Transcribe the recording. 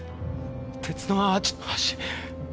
鉄のアーチの橋。